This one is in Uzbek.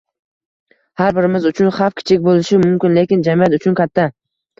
Har birimiz uchun xavf kichik bo'lishi mumkin, lekin jamiyat uchun katta